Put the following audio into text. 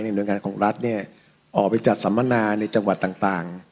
หน่วยงานของรัฐออกไปจัดสัมมนาในจังหวัดต่าง